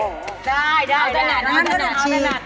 เอาตระหนักเอาตระหนัก